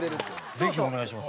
ぜひお願いします。